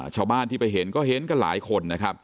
ชาวบ้านที่ไปเห็นก็เห็นกันหลายคนนะครับ